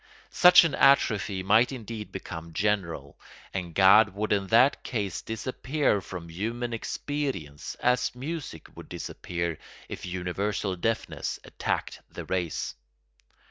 Such an atrophy might indeed become general, and God would in that case disappear from human experience as music would disappear if universal deafness attacked the race.